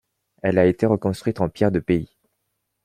Elle a été reconstruite en pierres de pays.